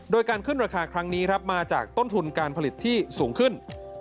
โดยการขึ้นราคาครั้งนี้ครับมาจากต้นทุนการผลิตที่สูงขึ้น